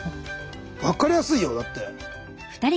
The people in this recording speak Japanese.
分かりやすいよだって。